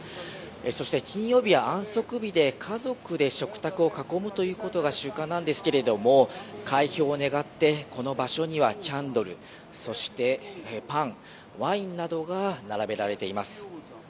そして、金曜日は安息日で家族で食卓を囲むということが習慣なんですけれども解放を願ってこの場所にはキャンドルキャンドル、そしてパンワインなどが並べられています。